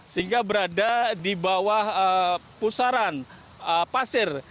sehingga berada di bawah pusaran pasir